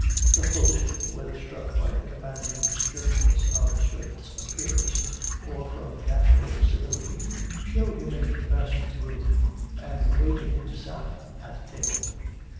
The host, whether struck by the commanding sternness of Swift's appearance, or from natural civility, showed him into the best room, and waited himself at table.